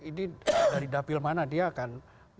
ini dari dapilmana dia akan